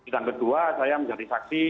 dan kedua saya menjadi saksi